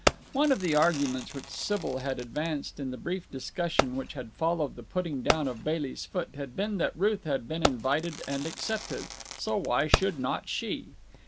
One of the arguments which Sybil had advanced in the brief discussion which had followed the putting down of Bailey's foot had been that Ruth had been invited and accepted, so why should not she?